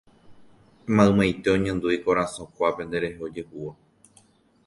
Maymaite oñandu ikorasõ kuápe nderehe ojehúva.